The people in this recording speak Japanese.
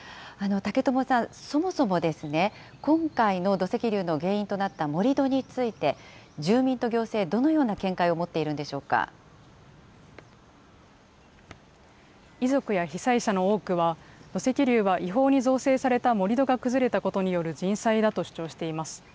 武友さん、そもそも今回の土石流の原因となった盛り土について、住民と行政、どのような見解を持遺族や被災者の多くは、土石流は違法に造成された盛り土が崩れたことによる人災だと主張しています。